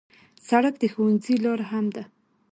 سړک د ښوونځي لار هم ده.